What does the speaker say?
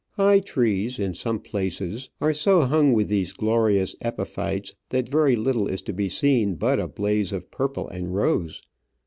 High trees, in some places, are so hung with these glorious epiphytes that very little is to be seen but a blaze of purple and rose.